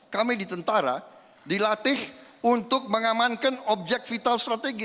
kami di tentara dilatih untuk mengamankan objek vital strategi